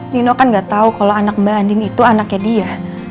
nino kan gak tahu kalau anak mbak andien itu anaknya dia